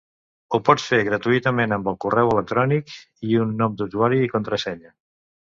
Ho pots fer gratuïtament amb el correu electrònic i un nom d’usuari i contrasenya.